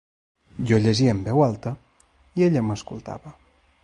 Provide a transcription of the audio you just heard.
Jo llegia en veu alta i ella m'escoltava.